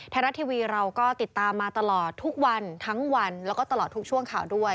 ไทยรัฐทีวีเราก็ติดตามมาตลอดทุกวันทั้งวันแล้วก็ตลอดทุกช่วงข่าวด้วย